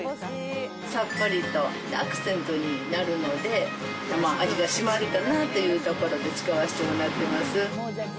さっぱりと、アクセントになるので、味が締まるかなというところで使わせてもらってます。